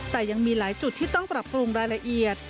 แต่ยังมีหลายจุดที่ต้องปรับปรุงรายละเอียด